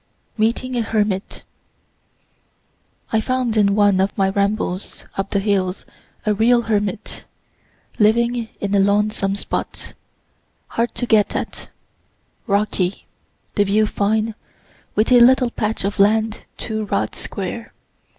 MEETING A HERMIT I found in one of my rambles up the hills a real hermit, living in a lonesome spot, hard to get at, rocky, the view fine, with a little patch of land two rods square.